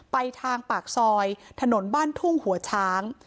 ไปทางปากซอยถนนบ้านทุ่งหัวช้าง